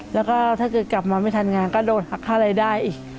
แล้วก็ถ้าเกิดกลับมาไม่ทันงานก็โดนหักค่ารายได้อีก